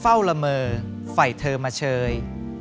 เฝ้าละเมอไฟเธอมาเชย